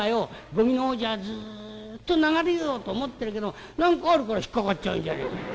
ごみのほうじゃずっと流れようと思ってるけども何かあるから引っ掛かっちゃうんじゃねえか。